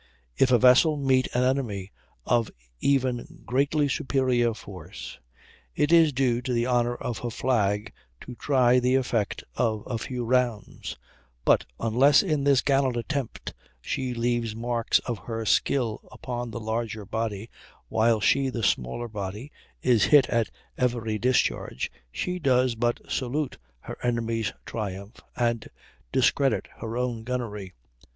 "If a vessel meet an enemy of even greatly superior force, it is due to the honor of her flag to try the effect of a few rounds; but unless in this gallant attempt she leave marks of her skill upon the larger body, while she, the smaller body, is hit at every discharge, she does but salute her enemy's triumph and discredit her own gunnery."